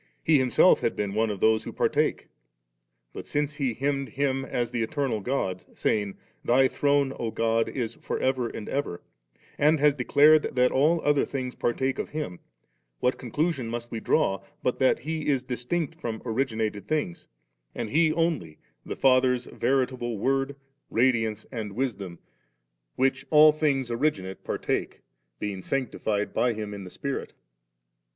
He Himself had been one of those who partake. But, since he hymned Him as the eternal God, saying, 'Thy throne, O God, is for ever and ever,' and has declared that all other things partake of Him, what conclusion must we draw, but that He is distinct from originated things, and He only the Father's veritable Word, Radiance^ and Wisdom, which all 4 fwtf MtfVptm^t^ ■PS.xhr.7,8. things originate partake*, being sanctified by Him in ^e Spirits?